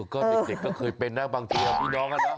ก็เด็กก็เคยเป็นนะบางทีพี่น้องอะเนาะ